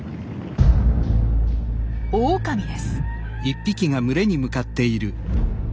オオカミです。